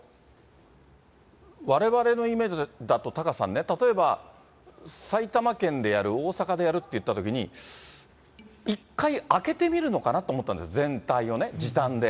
われわれのイメージだと、タカさんね、例えば、埼玉県でやる、大阪でやるって言ったときに、一回開けてみるのかなと思ったんです、全体をね、時短で。